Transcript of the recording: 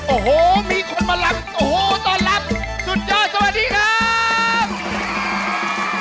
โอ้โหมีคนมารับโอ้โหต้อนรับสุดยอดสวัสดีครับ